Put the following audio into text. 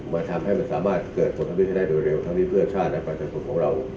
มาทำให้มันสามารถเกิดผลพลังวิทยาลัยโดยเร็วทั้งนี้เพื่อชาติและประสบความสุขของเรา